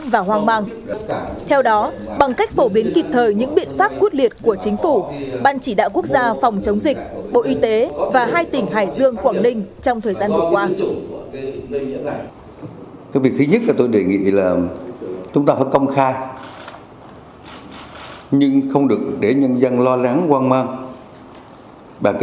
và hoang mang theo đó bằng cách phổ biến kịp thời những biện pháp quyết liệt của chính phủ ban chỉ đạo quốc gia phòng chống dịch bộ y tế và hai tỉnh hải dương quảng ninh trong thời gian vừa qua